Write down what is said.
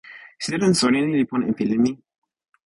sitelen soweli ni li pona e pilin mi.